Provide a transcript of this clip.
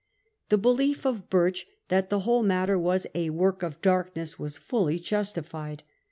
The belief of Birch that the whole matter was 4 a work of darkness ' was fully justified.